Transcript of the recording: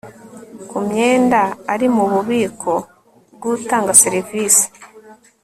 ku myenda ari mu bubiko bw utanga serivisi